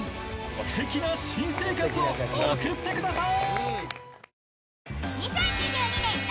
素敵な新生活を送ってください！